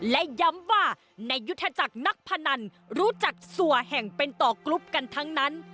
และย้ำว่าในยุทธจักรนักพนันรู้จักสั่วแห่งเป็นต่อกรุ๊ปกันทั้งนั้น